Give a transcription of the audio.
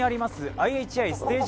ＩＨＩステージ